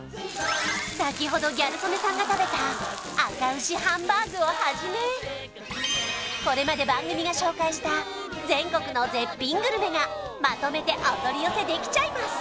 さきほどギャル曽根さんが食べたあか牛ハンバーグをはじめこれまで番組が紹介した全国の絶品グルメがまとめてお取り寄せできちゃいます